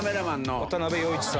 渡部陽一さん。